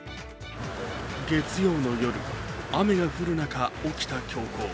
月曜の夜、雨が降る中起きた凶行。